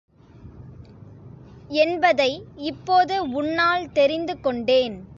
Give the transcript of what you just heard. என்பதை இப்போது உன்னால் தெரிந்து கொண்டேன்.